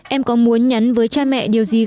em có muốn nhắn với cha mẹ điều gì